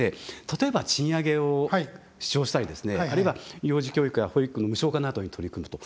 例えば、賃上げを主張したりあるいは、幼児教育や保育の無償化などに取り組むと。